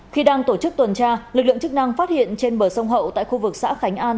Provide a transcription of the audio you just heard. khi đang tổ chức tuần tra lực lượng chức năng phát hiện trên bờ sông hậu tại khu vực xã khánh an